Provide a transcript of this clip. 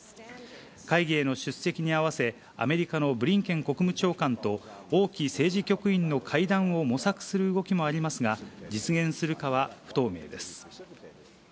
会議への出席に合わせ、アメリカのブリンケン国務長官と王毅政治局員の会談を模索する動きもありますが、実現するかは不透明です。